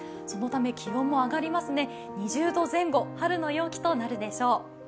そのため気温も上がりますね、２０度前後、春の陽気となるでしょう。